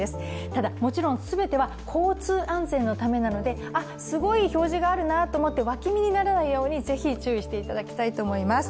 ただ、もちろん全ては交通安全のためなのであっ、すごい表示があるなと思って脇見にならないようにぜひ注意していただきたいと思います。